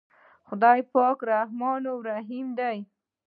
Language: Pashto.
خداے پاک رحمان رحيم دے۔